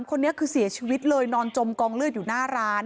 คนนี้คือเสียชีวิตเลยนอนจมกองเลือดอยู่หน้าร้าน